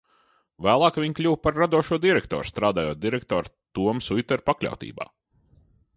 Vēlāk viņa kļuva par radošo direktori, strādājot direktora Toma Suitera pakļautībā.